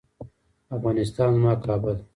افغانستان زما کعبه ده؟